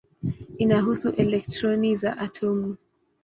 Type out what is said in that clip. Inahusu elektroni za atomu.